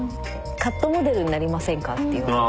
カットモデルになりませんかって言われて。